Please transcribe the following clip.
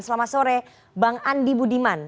selamat sore bang andi budiman